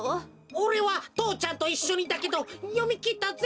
おれはとうちゃんといっしょにだけどよみきったぜ。